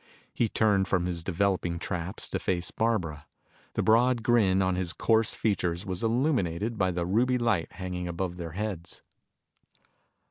He turned from his developing traps to face Barbara. The broad grin on his coarse features was illuminated by the ruby light hanging above their heads.